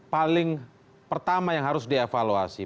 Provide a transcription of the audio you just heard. paling pertama yang harus dievaluasi